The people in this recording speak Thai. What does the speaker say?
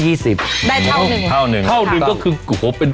ได้เท่าหนึ่ง